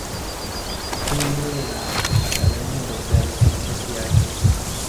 Fue miembro de la Academia Europea de Ciencias y Artes.